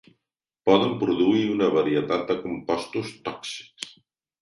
Poden produir una varietat de compostos tòxics.